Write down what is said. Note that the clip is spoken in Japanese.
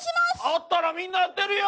あったらみんなやってるよ！